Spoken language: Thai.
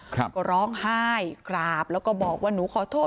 ก็ร้องไห้กราบแล้วก็บอกว่าหนูขอโทษ